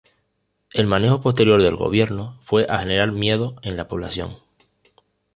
El manejo posterior del gobierno fue a generar miedo en la población.